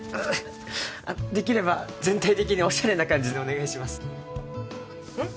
あっできれば全体的におしゃれな感じでお願いしますうん？